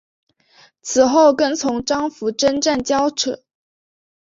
此后跟从张辅征战交址。